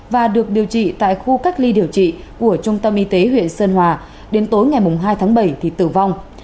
và được điều trị tại khu cách ly điều trị của trung tâm y tế huyện sơn hòa đến tối ngày hai tháng bảy thì tử vong